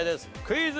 クイズ。